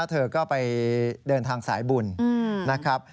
เธอก็ไปเดินทางสายบุญนะครับ